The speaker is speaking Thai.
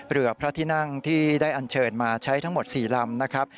เรือพระที่นั่งที่ได้อันเชิญมาใช้ทั้งหมด๔ลำนะครับ